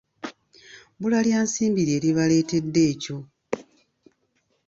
Bbula lya nsimbi lye libaleetedde ekyo.